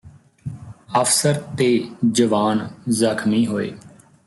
ਅਫ਼ਸਰ ਤੇ ਜਵਾਨ ਜ਼ਖ਼ਮੀ ਹੋਏ